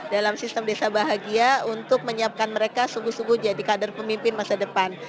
dalam sistem desa bahagia untuk menyiapkan mereka sungguh sungguh jadi kader pemimpin masa depan